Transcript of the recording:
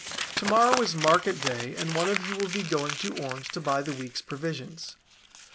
To morrow is market day and one of you will be going to Orange to buy the week's provisions.